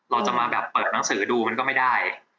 เราจะมาแบบเปิดหนังสือดูมันก็ไม่ได้